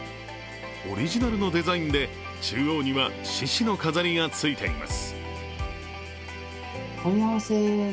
オリジナルのデザインで中央には獅子の飾りがついています。